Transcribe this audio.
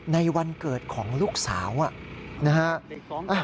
ในวันเกิดของลูกสาวนะฮะ